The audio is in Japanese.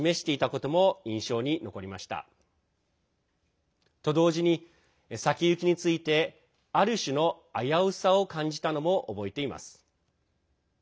と同時に、先行きについてある種の危うさを感じたのも覚えています。